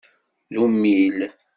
D ummil.